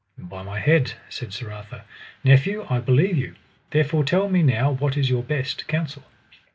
By my head, said Arthur, nephew, I believe you; therefore tell me now what is your best counsel.